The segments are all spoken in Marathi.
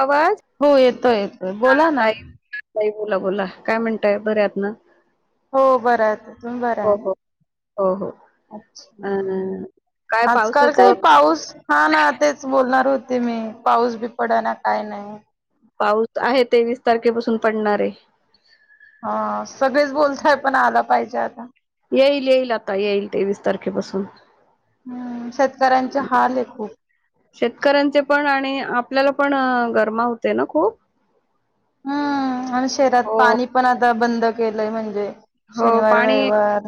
आवाज हो, येतोय, येतोय हा बोला ना. ताई ताई बोला, बोला काय म्हणताय बऱ्या आहात ना? हो बरं आहे, तुम्ही बरं हो आहे ना? हो हो हो अ हम्म, काय आज काल काय पावसाचं पाऊस हा ना तेच बोलणार होते मी, पाऊस बी पडाना काय नाही. पाऊस आहे तेवीस तारखेपासून पडणार हे. हा सगळेच बोलताय, पण आला पाहिजे आता. येईल, येईल आता येईल तेवीस तारखेपासून. हम्म, शेतकऱ्यांचे हाल आहे खूप. शेतकऱ्यांचे पण आणि आपल्याला पण गरमावते ना खूप. हम्म आणि शहरात हो पाणी पण आता बंद केलंय म्हणजे हो शनिवार पाणी, रविवार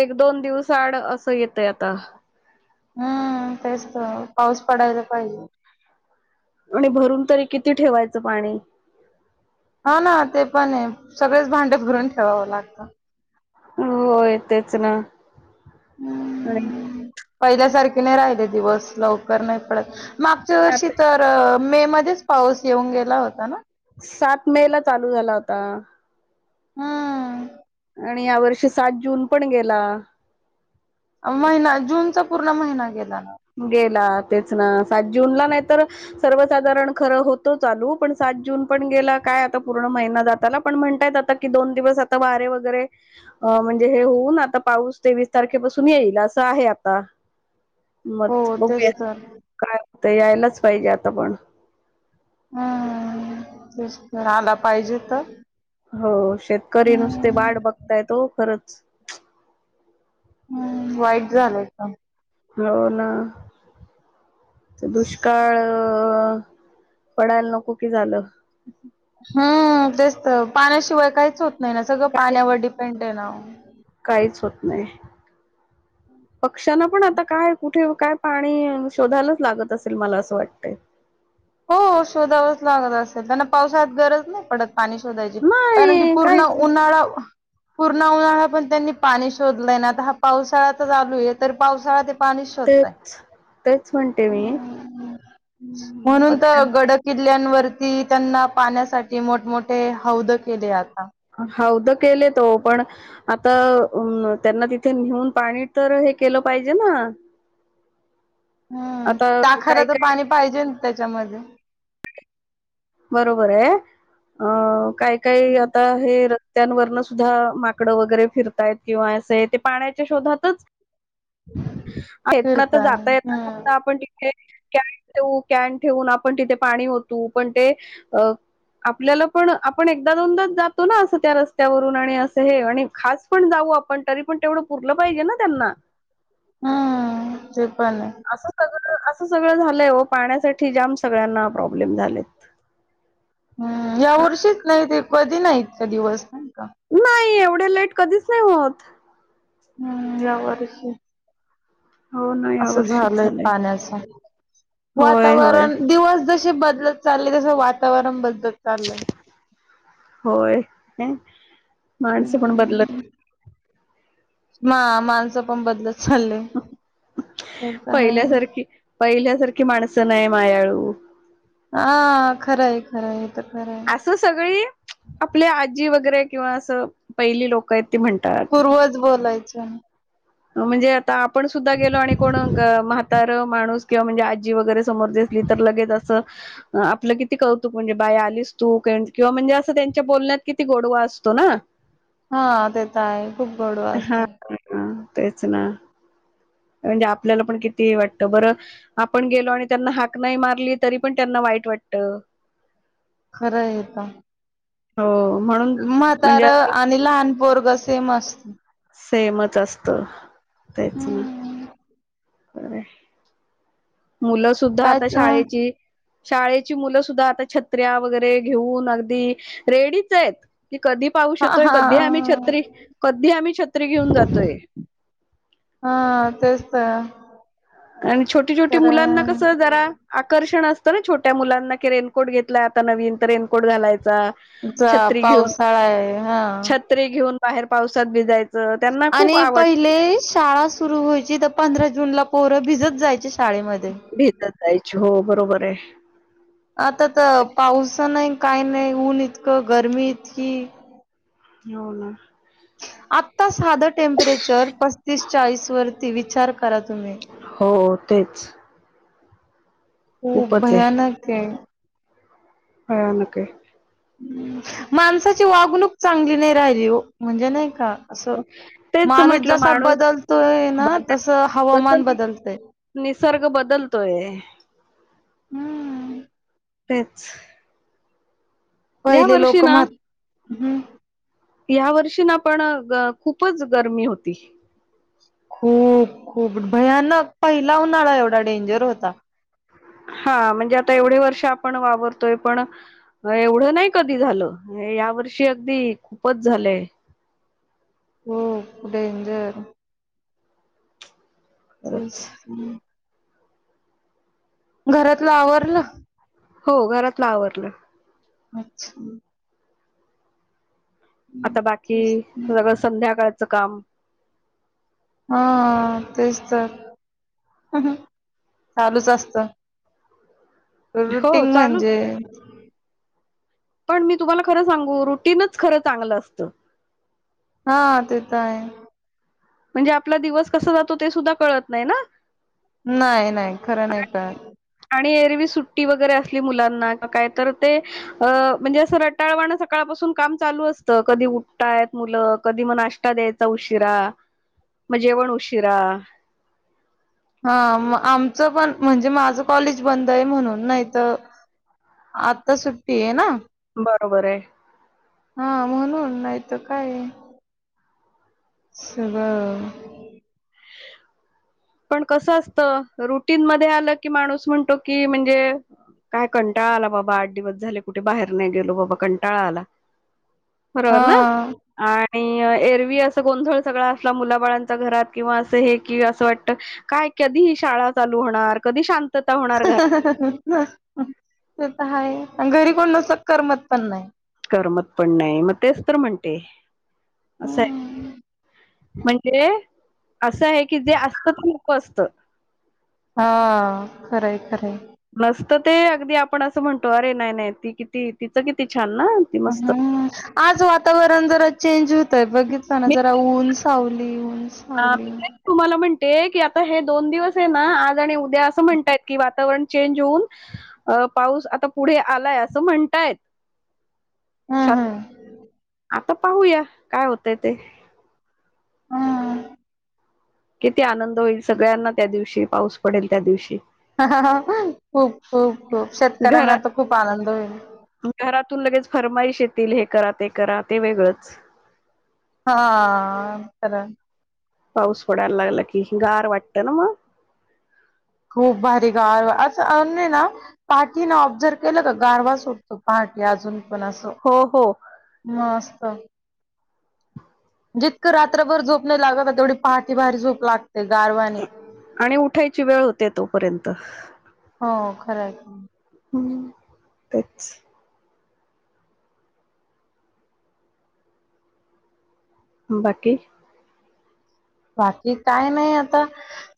एक दोन दिवसा आड असं येतय आता. हम्म, तेच तर पाऊस पडायला पाहिजे. आणि भरून तरी किती ठेवायचं पाणी. हा ना ते पण हाय, सगळेच भांडे भरून ठेवावं लागतं. होयं तेच ना हम्म. पहिल्यासारखे नाही राहिले दिवस लवकर नाही पडत मागच्या वर्षी आता तर मे मध्येच पाऊस येऊन गेला होता ना सात मे ला चालू झाला होता. हम्म आणि या वर्षी सात जून पण गेला. महिना जूनचा पूर्ण महिना गेला ना गेला तेच ना सात जूनला नाही तर सर्वसाधारण खरं होत चालू पण सात जून पण गेला काय आता पूर्ण महिना जाताला पण म्हणतायेत आता कि दोन दिवस आता वारे वगैरे अ म्हणजे हे होऊन आता पाऊस तेवीस तारखेपासून येईल असं आहे आता मग हो बघूया तेच तर काय होतयं यायलाच पाहिजे आता पण हम्म तेच तर आला पाहिजे तर हो शेतकरी नुसते वाट बघतायेत ओ खरंच हम्म वाईट झालंय एकदम हो ना ते दुष्काळ पडायला नको की झालं हम्म तेच तर पाण्याशिवाय काहीच होत नाही ना सगळं काही पाण्यावर डिपेंड आहे ना काहीच होत नाही पक्ष्यांना पण आता काय कुठे काय पाणी शोधायलाच लागत असेल मला असं वाटतयं. हो शोधावचं लागत असलं. त्यांना पावसाळ्यात गरज नाही पडत पाणी शोधायची कारण की नाही पूर्ण काहीच नाही उन्हाळा पूर्ण उन्हाळा पण त्यांनी पाणी शोधलंय ना आता हा पावसाळाच चालू आहे तर पावसाळा ते पाणी शोधताय तेच तेच म्हणते मी हम्म, म्हणून तर पक्ष्यां गड किल्ल्यांवरती त्यांना पाण्यासाठी मोठमोठे हौद केले आता हौद केलेत ओ पण आता त्यांना तिथे नेऊन पाणी तर हे केलं पाहिजे ना हम्म आता टाखाला काय तर काय पाणी पाहिजे ना त्याच्यामध्ये बरोबर आहे अ काय काय आता हे त्यांवरनं सुद्धा माकडं वगैरे फिरतायत किंवा असं आहे ते पाण्याच्या शोधातच पण आता फिरता जाता येतता हम्म आपण हे कॅन ठेव कॅन ठेवून आपण तिथे पाणी ओतू पण ते अ आपल्याला पण आपण एकदा दोनदाच जातो ना असं त्या रस्त्यावरून आणि असं हे आणि खास पण जाऊ आपण तरी पण तेवढं पुरलं पाहिजे ना त्यांना हम्म ते पण आहे. असं सगळं असं सगळं झालंय हो पाण्यासाठी जाम सगळ्यांना प्रॉब्लेम झालेत. हम् या का वर्षीच नाहीत एक कधी नाही इतके दिवस नाही का नाही एवढे लेट कधीच नाही होत. हम्म या वर्षी हो ना या असं वर्षीच झालंय पाण्याचा होय होय वातावरण दिवस जसे बदलत चाललेय तस वातावरण बदलत चाललय. होय माणसं पण बदलत ह माणसं पण बदलत चालले. ते तर हाय. पहिल्यासारखी पहिल्यासारखी माणसं नाही मायाळू हा खरं आहे खरं आहे तर खरं आहे. असं सगळी आपली आजी वगैरे किंवा असं पहिली लोक आहेत ती म्हणतात. होच बोलायचं म्हणजे आता आपण सुद्धा गेलो आणि कोण म्हातार माणूस किंवा म्हणजे आजी वगैरे समोर असली तर लगेच असं आपलं किती कौतुक म्हणजे बाय आलीस तू किंवा म्हणजे असं त्यांच्या बोलण्यात किती गोडवा असतो ना, हा ते तर आहे खूप गोडवा हा. असतं ह तेच ना म्हणजे आपल्याला पण किती वाटतं बरं आपण गेलो आणि त्यांना हाक नाही मारली तरी पण त्यांना वाईट वाटत. खरं हे पण हो म्हणून म्हातार म्हणजे आणि लहान पोरग सेम असत सेमच असत तेच ना खरं हे. मुलं सुद्धा आता कायच शाळेची शाळेची मुलं सुद्धा आता छत्र्या वगैरे घेऊन अगदी रेडीच आहेत की कधी पाऊू श हा येतोय हा. कधी आम्ही छत्री कधी आम्ही छत्री घेऊन जातोय हा तेचत आणि छोटी छोटी मुलांना कसं जरा आकर्षण असतं ना छोट्या मुलांना कि रेनकोट घेतलाय आता नवीन तर रेनकोट घालायचा जा पावसाळा आहे हा त्री घेऊन बाहेर पावसात भिजाय आणि पहिले शाळा सुरू व्हायची तर पंधरा जूनला पोर भिजत जायची भेतत जायची हो बरोबर आहे आता तर पावस नाही काही नाही ऊन इतकं गर्मी इतकी हो ना आत्ता साधं टेम्परेचर पस्तीस चाळीस वरती विचार करा तुम्ही हो तेच खूप खूपच आहे भयानक आहे. भयानक आहे माणसाची वागणूक चांगली नाही राहिली हो म्हणजे नाही का असं तेच माणूस म्हटलं जसा माणूस बदलतोय ना बदल तस हवामान जस बदलतय निसर्ग बदलतोय हम्म तेच या पहिले वर्षी लोक ना म्हात हम्म. या वर्षी ना पण खूपच गरमी होती खूप खूप भयानक पहिला उन्हाळा एवढा डेंजर होता हा म्हणजे आता एवढे वर्ष आपण वावरतोय पण एवढं नाही कधी झालं या वर्षी अगदी खूपच झालंय हो डेंजर तेच खरच अ्म् घरातलं आवरलं हो घरातलं आवरलं अच्छा आता बाकी सगळं संध्याकाळचं काम हा तेच तर चालूच असत हो रुटीन चालू म्हणजे पण मी तुम्हाला खरं सांगू रुटीनच खरं चांगलं असतं हा ते तर आहेच म्हणजे आपला दिवस कसा जातो ते सुद्धा कळत नाही ना नाही, नाही खरं नाही कळत आणि एरवी सुट्टी वगैरे असली मुलांना काय तर ते अ म्हणजे असं रटाळवाण सकाळपासून काम चालू असतं कधी उठताय मुलं कधी मग नाष्टा देत ण उशिरा मग जेवण उशिरा हा म आमचं पण म्हणजे माझ कॉलेज बंद आहे म्हणून नाही तर आता सुट्टी आहे ना बरोबर आहे हा म्हणून नाहीतर काय सगळं [unintelligible] पण कसं असत रुटीन मध्ये आलं की माणूस म्हणतो की म्हणजे काय कंटाळा आला बाबा आठ दिवस झाले कुठे बाहेर नाही गेलो बाबा कंटाळा आला बरोबर ना हा आणि एरवी असं गोंधळ सगळा असला मुलाबाळांच्या घरात किंवा असं हे कि असं वाट काय कधी ही शाळा चालू होणार कधी शांत ते तर हायच अन् घरी कोण नसलं तर करमत पण नाही करमत पण नाही मग तेच तर म्हणते असं आहे म इकडे असं आहे की जे असतं खूप असतं हा खरंय, खरंय नसत ते अगदी आपण असं म्हणतो अरे नाही, नाही ती किती तिचं किती छान ना ती मस्त ह् आज वातावरण जरा चेंज होतंय बघित ताना मी जरा ऊन सावली, ऊन सावली तुम्हाला म्हणतेय की आता हे दोन दिवस आहे ना आज आणि उद्या असं म्हणतय की वातावरण चेंज होऊन अ पाऊस आता पुढे आलाय असं म्हणतायत हम्म [unintelligible] आता पाहूया काय होतय ते हम किती आनंद होईल सगळ्यांना त्या दिवशी पाऊस पडेल त्या दिवशी खूप, खूप, खूप घरा शेतकऱ्यांना तर खूप आनंद होईल घरातून लगेच फरमाईश येतील हे करा ते, करा ते वेगळंच हा खरच पाऊस पडायला लागला की गार वाटतं ना मग खूप भारी गार असं अन्य ना पाठीन ऑब्झर्व केलं का गारवा सुटतो पहाटे अजून पण असं हो, हो मस्त जितकं रात्रभर झोप नाही लागत ना तेवढी पहाटे, पहाटे बाहेर झोप लाग आणि उठायची वेळ होते तोपर्यंत हो खरंय हम्म. तेच. बाकी? बाकी काय नाही आता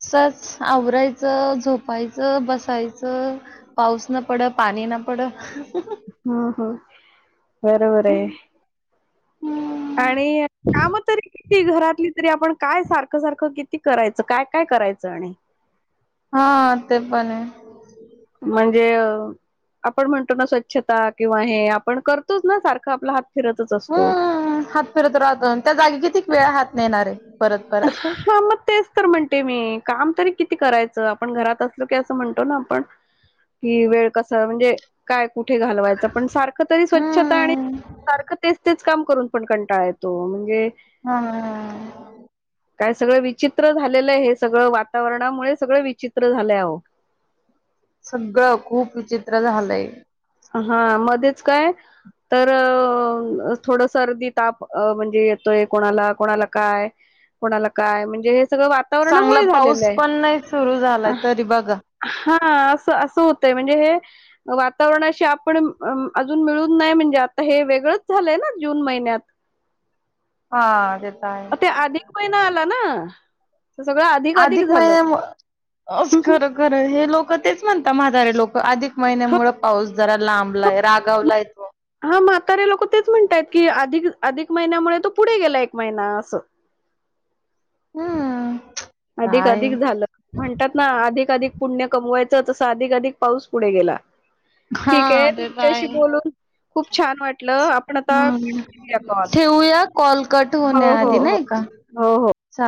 सस आवरायचं, झोपायचं, बसायचं, - पाऊस ना पड, पाणी ना पड. हम् ह बरोबर आहे. आणि काम तरी किती घरातली तरी आपण काय सारखं सारखं किती करायचं काय काय करायचं आणि. हा ते पण आहे. म्हणजे आपण म्हणतो ना स्वच्छता किंवा हे आपण करतोच ना सारखं आपला हात फिरतच असतो. हम्म हात फिरत राहत आणि त्या जागी किती [unintelligible] हात न येणार आहे. परत परत. हा मग तेच तर म्हणते मी काम तरी किती करायचं आपण घरात असलो की असं म्हणतो ना आपण कि वेळ कस म्हणजे काय कुठे घालवायचं पण सारखं तरी स्वच्छता आणि हम्म सारखं ते तेच काम करून पण कंटाळ येतो म्हणजे हा ह ह. काय सगळं विचित्र झालेलं आहे हे सगळं वातावरणामुळे सगळं विचित्र झालंय ओ. सगळं खूप विचित्र झालंय. हा मध्येच काय तर अ थोड सर्दी, ताप म्हणजे येतोय कोणाला, कोणाला काय, - कोणाला काय म्हणजे हे सगळं वा चांगला पाऊस पण नाही सुरू झालाय तरी बघा. हा ना असं असं होतय म्हणजे हे वा वावरणाशी आपण अजून मिळून नाही म्हणजे आता हे वेगळंच झालंय ना जून महिन्यात. हा तेेत आहे. अ, ते अधिक महिना आला ना. त सगळं आधी अधिक महिने अस खरं खरं हे लोक तेच म्हणतात म्हातारे लोक अधिक महिन्यामुळे पाऊस जरा लांबलाय, रागावलाय. तो हा म्हातारे लोक तेच म्हणतयत की अधिक अधिक महिन्यामुळे तो पुढे गेला एक महिना असं. हम्म. अधिक काय अधिक झालं. म्हणतात ना अधिक अधिक पुण्य कमवायचं तसं अधिक अधिक पाऊस पुढे गेला. ठीक आहे हा ते तर तुमच्याशी आहे. बोलून खूप छान वाटलं, आप हम्, ठेवूया कॉल कट होण्या हो हो आधी हो नाही का. हो हो. चालेल.